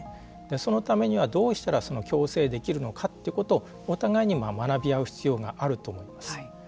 そのためには、どうしたら共生できるのかということをお互いに学び合う必要があると思います。